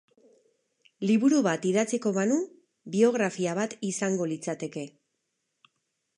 Liburu bat idatziko banu biografia bat izango litzateke.